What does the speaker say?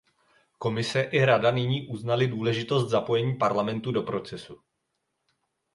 Komise i Rada nyní uznaly důležitost zapojení Parlamentu do procesu.